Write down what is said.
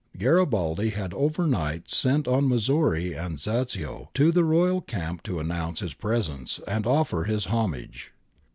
^ Garibaldi had overnight sent on Missori and Zasio to the Royal camp to announce his presence and offer his homage.